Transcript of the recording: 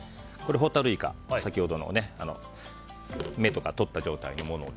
ホタルイカ、先ほどの目とかとった状態のものを。